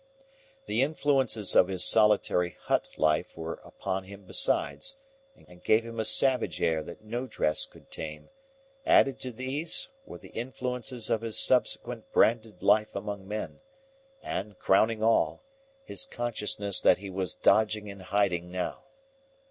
The influences of his solitary hut life were upon him besides, and gave him a savage air that no dress could tame; added to these were the influences of his subsequent branded life among men, and, crowning all, his consciousness that he was dodging and hiding now.